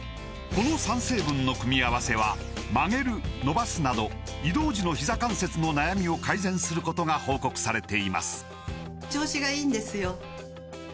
この３成分の組み合わせは曲げる伸ばすなど移動時のひざ関節の悩みを改善することが報告されています